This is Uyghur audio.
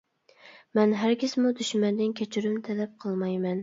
مەن ھەرگىزمۇ دۈشمەندىن كەچۈرۈم تەلەپ قىلمايمەن.